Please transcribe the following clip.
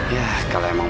ya kalau emang bener